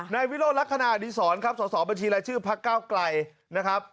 ในวิโรคลักษณะอดีตสอนครับสอบบัญชีรายชื่อพระก้าวกลายนะครับ